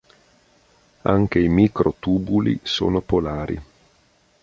Anche i microtubuli sono polari.